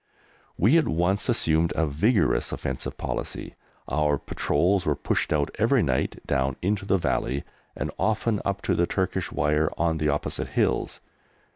We at once assumed a vigorous offensive policy; our patrols were pushed out every night down into the valley, and often up to the Turkish wire on the opposite hills.